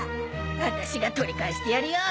アタシが取り返してやるよ。